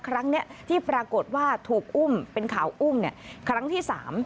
ครั้งนี้ที่ปรากฏว่าถูกอุ้มเป็นข่าวอุ้มครั้งที่๓